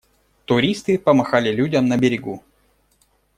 Туристы помахали людям на берегу.